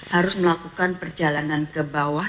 harus melakukan perjalanan ke bawah